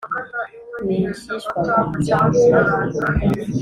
N’injyishywa nganya zanjye,